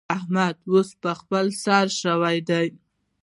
احمد اوس د خپل سر شوی دی.